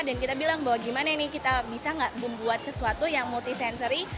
dan kita bilang bahwa gimana nih kita bisa nggak membuat sesuatu yang multisensori